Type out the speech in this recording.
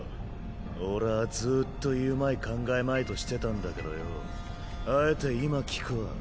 俺はずっと言うまい考えまいとしてたんだけどよぉあえて今聞くわ。